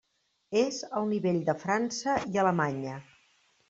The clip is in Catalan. És el nivell de França i Alemanya.